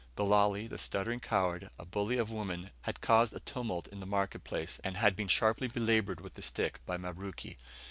Bilali, the stuttering coward, a bully of women, had caused a tumult in the market place, and had been sharply belaboured with the stick by Mabruki.